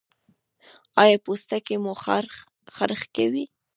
ایا پوستکی مو خارښ کوي؟